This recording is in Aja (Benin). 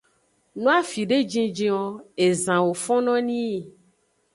No afide jinjin o, ezan wo fonno nii.